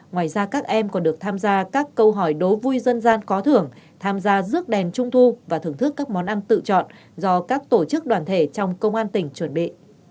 ngoài ra các em còn được tham gia các câu hỏi đố vui dân gian có thưởng tham gia rước đèn trung thu và thưởng thức các món ăn tự chọn do các tổ chức đoàn thể trong công an tỉnh chuẩn bị